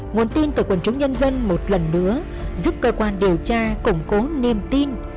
nguồn tin từ quần chúng nhân dân một lần nữa giúp cơ quan điều tra củng cố niềm tin